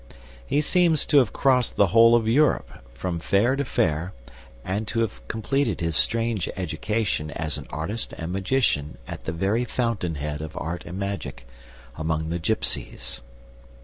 He seems to have crossed the whole of Europe, from fair to fair, and to have completed his strange education as an artist and magician at the very fountain head of art and magic, among the Gipsies.